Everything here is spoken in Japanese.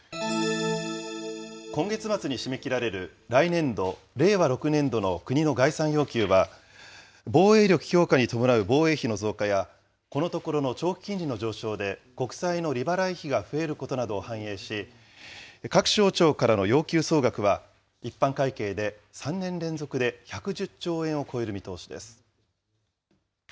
今月末に締め切られる来年度・令和６年度の国の概算要求は、防衛力強化に伴う防衛費の増加や、このところの長期金利の上昇で、国債の利払い費が増えることなどを反映し、各省庁からの要求総額は、一般会計で３年連続で１１０兆円を超える見通しです。